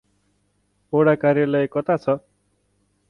ओडा कार्यलय कता छ?